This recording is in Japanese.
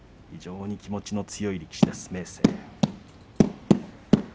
非常に気持ちの強い力士です明生。